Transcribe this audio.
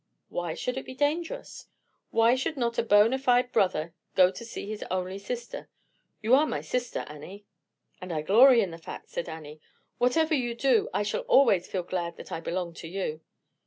"Why should it be dangerous? Why should not a bona fide brother go to see his only sister? You are my sister, Annie." "And I glory in the fact," said Annie. "Whatever you do, I shall always feel glad that I belong to you.